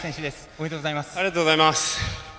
おめでとうございます。